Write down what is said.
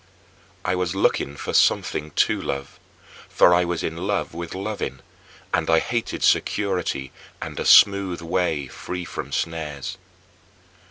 I was looking for something to love, for I was in love with loving, and I hated security and a smooth way, free from snares.